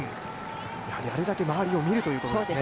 やはりあれだけ周りを見るということですね。